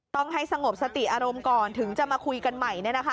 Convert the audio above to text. ต้องให้สงบสติอารมณ์ก่อนถึงจะมาคุยกันใหม่